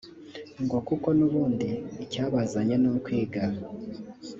ngo kuko n’ubundi icyabazanye ni ukwiga